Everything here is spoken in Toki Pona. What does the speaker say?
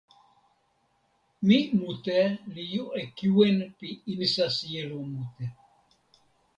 mi mute li jo e kiwen pi insa sijelo mute.